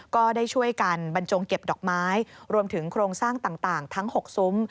ก็ได้ช่วยกันบรรจงเก็บดอกไม้รวมถึงโครงสร้างต่างทั้ง๖ซุ้ม